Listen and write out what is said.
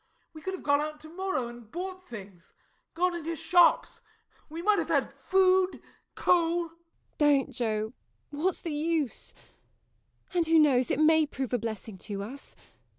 We could have gone out to morrow and bought things gone into shops we might have had food, coal MARY. Don't, Joe what's the use? And who knows it may prove a blessing to us.